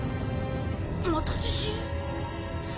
また地震？